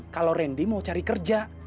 kalau randy mau cari kerja